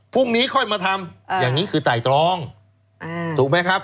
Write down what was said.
พรุ่งนี้ค่อยมาทำอย่างนี้คือไต่ตรองถูกไหมครับ